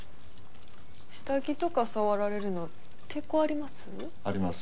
下着とか触られるの抵抗あります？あります。